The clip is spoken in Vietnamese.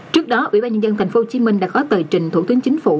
trước đó ủy ban nhân dân tp hcm đã có tờ trình thủ tướng chính phủ